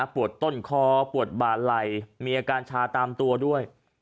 ปวดต้นคอปวดบาลัยมีอาการชาตามตัวด้วย